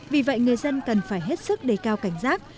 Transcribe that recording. vì vậy người dân cần phải hết sức đề cao cảnh giác